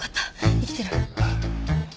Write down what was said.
生きてる。